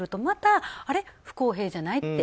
また不公平じゃない？